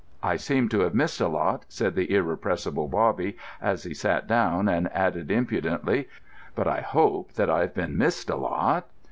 "I seem to have missed a lot," said the irrepressible Bobby, as he sat down, and added impudently, "but I hope that I've been missed a lot?"